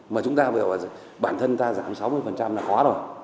mà chúng ta bảo là bản thân ta giảm sáu mươi là quá rồi